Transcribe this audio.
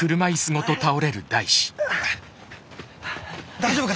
大丈夫か！？